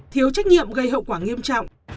thiếu trách nhiệm gây hậu quả nghiêm trọng